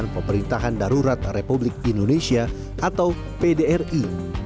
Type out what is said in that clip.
pemerintahan darurat republik indonesia atau pdri